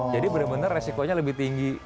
jadi benar benar resikonya lebih tinggi